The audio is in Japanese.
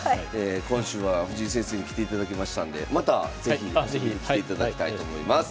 今週は藤井先生に来ていただきましたんでまた是非遊びに来ていただきたいとはいあっ是非。